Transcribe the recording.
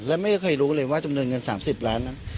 และไม่เคยรู้เลยว่าจำนวนเงิน๓๐ล้านนั้น